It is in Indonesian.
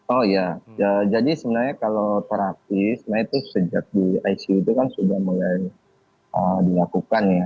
oh ya jadi sebenarnya kalau terapis sebenarnya itu sejak di icu itu kan sudah mulai dilakukan ya